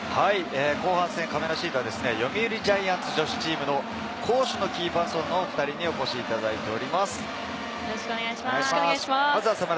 後半戦のかめなシートは読売ジャイアンツ女子チームの攻守のキーパーソンのおふたりにお越しいただいています。